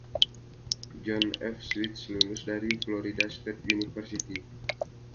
John F. Sweets lulus dari Florida State University.